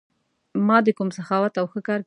ما د کوم سخاوت او ښه کار کیسه نه ده اورېدلې.